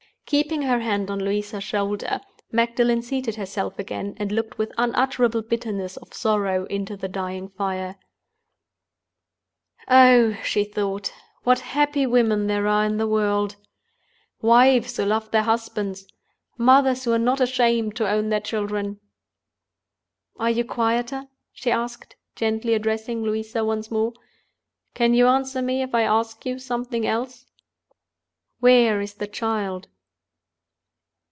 Keeping her hand on Louisa's shoulder, Magdalen seated herself again, and looked with unutterable bitterness of sorrow into the dying fire. "Oh," she thought, "what happy women there are in the world! Wives who love their husbands! Mothers who are not ashamed to own their children! Are you quieter?" she asked, gently addressing Louisa once more. "Can you answer me, if I ask you something else? Where is the child?"